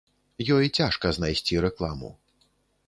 Ёй цяжка знайсці рэкламу.